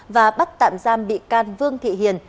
và bắt tạm giam bị can vương thị hiền